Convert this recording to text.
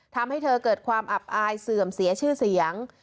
ทำให้เธอเกิดความอับอายเสื่อมเสียชื่อเสียง